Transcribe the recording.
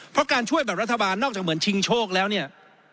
เพราะการช่วยแบบรัฐบาลนอกจากเหมือนชิงโชคแล้วเนี่ย